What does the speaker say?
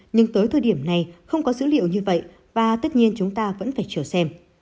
nhưng tới thời điểm này không có dữ liệu như vậy và tất nhiên chúng ta vẫn phải chờ xem